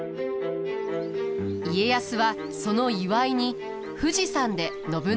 家康はその祝いに富士山で信長をもてなします。